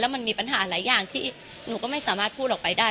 มันมีปัญหาหลายอย่างที่หนูก็ไม่สามารถพูดออกไปได้